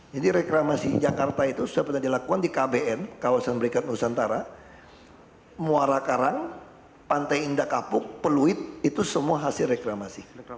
jadi reklamasi jakarta itu seperti yang dilakukan di kbn kawasan berikat nusantara muara karang pantai indah kapuk peluit itu semua hasil reklamasi